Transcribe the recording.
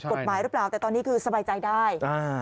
กฎหมายหรือเปล่าแต่ตอนนี้คือสบายใจได้